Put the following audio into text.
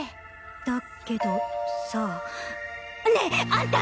だけどさねえ！あんた。